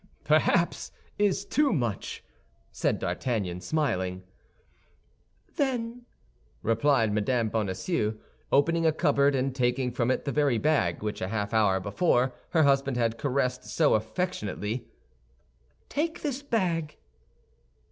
"Perhaps is too much," said D'Artagnan, smiling. "Then," replied Mme. Bonacieux, opening a cupboard and taking from it the very bag which a half hour before her husband had caressed so affectionately, "take this bag."